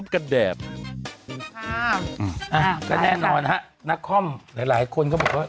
ก็แน่นอนฮะนักคอมหลายหลายคนก็บอกว่า